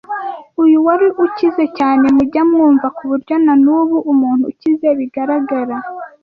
uyu wari ukize cyane mujya mwumva ku buryo na n’ubu umuntu ukize bigaragara